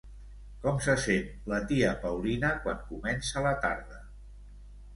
Com se sent la tia Paulina quan comença la tarda?